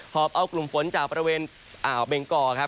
พอเอากลุ่มฝนจากประเวณเบงกอร์